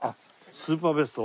スーパーベスト？